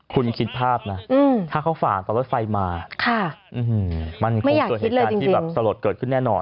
คุณคิดภาพนะถ้าเขาฝ่าตอนรถไฟมามันคงเกิดเหตุการณ์ที่แบบสลดเกิดขึ้นแน่นอน